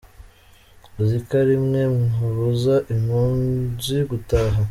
Uzi ko ari mwe mubuza impunzi gutaha.